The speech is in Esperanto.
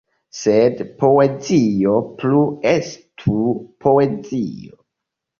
Sed poezio plu estu poezio.